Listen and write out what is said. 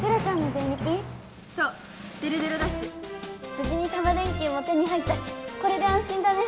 ぶじにタマ電Ｑも手に入ったしこれであん心だね！